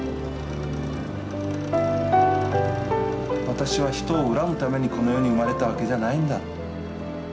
私は人を恨むためにこの世に生まれたわけじゃないんだ。